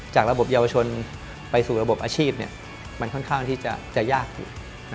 จากระบบเยาวชนไปสู่ระบบอาชีพมันค่อนข้างที่จะยากอยู่